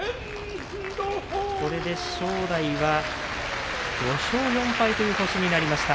これで正代は５勝４敗という星になりました。